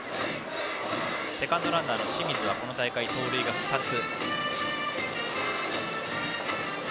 セカンドランナーの清水はこの大会、盗塁が２つ。